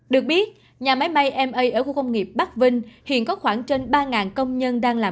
được biết nhà máy máy ma ở khu công nghiệp bắc vinh